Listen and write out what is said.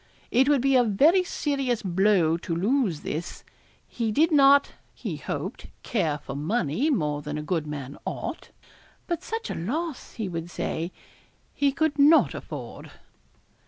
It would be a very serious blow to lose this. He did not, he hoped, care for money more than a good man ought; but such a loss, he would say, he could not afford.